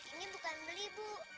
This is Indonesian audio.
ini bukan beli ibu